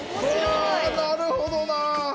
はぁなるほどな！